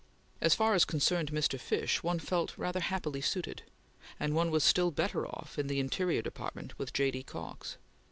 As far as concerned Mr. Fish, one felt rather happily suited, and one was still better off in the Interior Department with J. D. Cox.